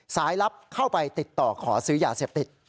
ลับเข้าไปติดต่อขอซื้อยาเสพติด